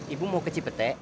ibu mau ke cipete